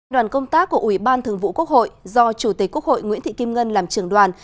đoàn công tác của ủy ban thường vụ quốc hội do chủ tịch quốc hội nguyễn thị kim ngân làm trưởng đoàn